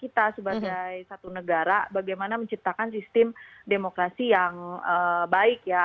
kita sebagai satu negara bagaimana menciptakan sistem demokrasi yang baik ya